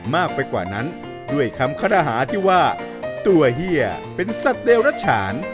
มากไปกว่านั้นด้วยคำคารหาที่ว่าตัวเฮียเป็นสัตว์เดรัชฉาน